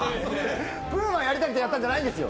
ＰＵＭＡやりたくてやったんじゃないんですよ。